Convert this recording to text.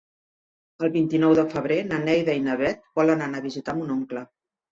El vint-i-nou de febrer na Neida i na Bet volen anar a visitar mon oncle.